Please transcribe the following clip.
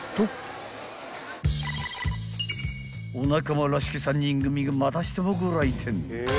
［お仲間らしき３人組がまたしてもご来店］